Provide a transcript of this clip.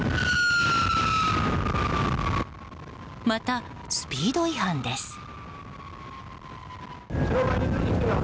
またスピード違反です。